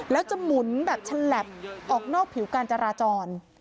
แล้วจะหมุนแบบฉลับออกนอกผิวการจราจร